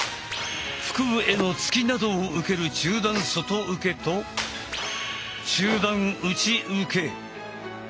腹部への突きなどを受ける中段外受けと中段内受け。